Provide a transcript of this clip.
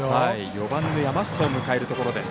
４番の山下を迎えるところです。